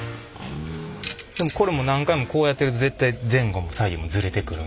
でもこれも何回もこうやってると絶対前後も左右もズレてくるんで。